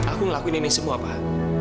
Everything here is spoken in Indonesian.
aku ngelakuin ini semua pak